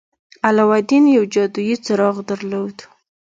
علاوالدين يو جادويي څراغ درلود.